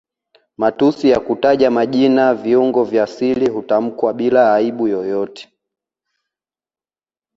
Matusi ya kutaja majina viungo vya siri hutamkwa bila aibu yoyote